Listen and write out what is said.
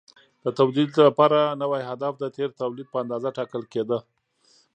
د تولید لپاره نوی هدف د تېر تولید په اندازه ټاکل کېده.